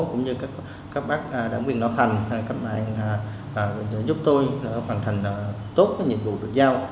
cũng như các bác đảng quyền nọ thành các bạn giúp tôi hoàn thành tốt nhiệm vụ được giao